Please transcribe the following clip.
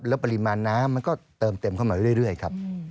แล้วปริมาณน้ำมันก็เติมเต็มเข้ามาเรื่อยครับ